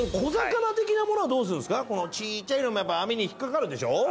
ちっちゃいのもやっぱり網に引っ掛かるでしょ？